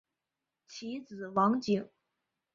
其子王景。